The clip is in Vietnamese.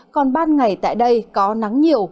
còn ban ngày tại đây có nắng nhiều